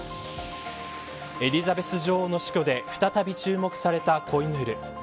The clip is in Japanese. エリザベス女王の死去で再び注目されたコイヌール。